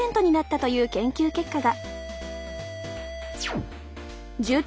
という研究結果が。